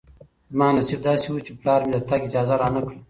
زما نصیب داسې و چې پلار مې د تګ اجازه رانه کړه.